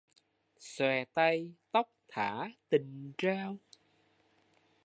Xòe tay tóc thả tình trao